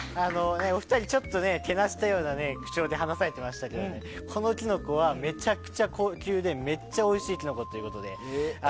お二人ちょっとけなしたような口調で話されていましたけどこのキノコはめちゃくちゃ高級でめっちゃおいしいキノコということで。